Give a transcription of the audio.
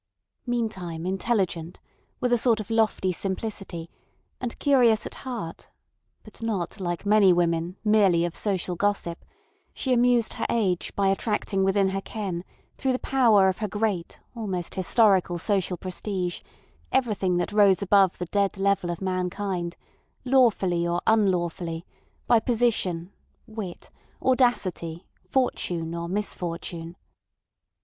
Meantime intelligent, with a sort of lofty simplicity, and curious at heart, but not like many women merely of social gossip, she amused her age by attracting within her ken through the power of her great, almost historical, social prestige everything that rose above the dead level of mankind, lawfully or unlawfully, by position, wit, audacity, fortune or misfortune.